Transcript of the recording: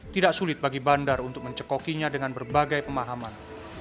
tidak sulit bagi bandar untuk mencekokinya dengan berbagai pemahaman